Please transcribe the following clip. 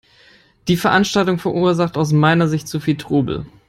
Die Veranstaltung verursacht aus meiner Sicht zu viel Trubel.